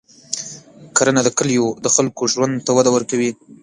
کرنه د کلیو د خلکو ژوند ته وده ورکوي.